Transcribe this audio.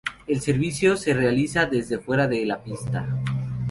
El servicio se realiza desde fuera de la pista.